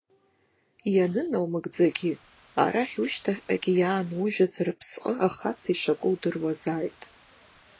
Ианынаумыгӡагьы, арахь, ушьҭахьҟагьы иаанужьыз рыԥсҟы ахац ишаку удыруазааит…